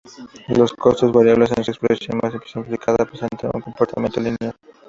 Los costos variables en su expresión más simplificada presentan un comportamiento lineal.